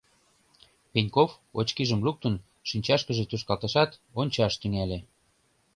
Пеньков, очкижым луктын, шинчашкыже тушкалтышат, ончаш тӱҥале.